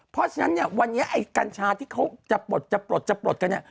เพราะฉะนั้นเนี่ยวันนี้ไอ้กัญชาที่เขาจะปลดจะปลดจะปลดกันเนี่ย